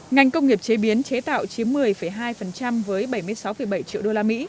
ngành công nghiệp chế biến chế tạo chiếm một mươi hai với bảy mươi sáu bảy triệu đô la mỹ